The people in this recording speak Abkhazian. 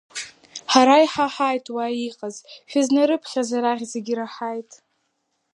Ҳара иҳаҳаит уа иҟаз, шәызнарыԥхьаз, арахь зегьы ираҳаит.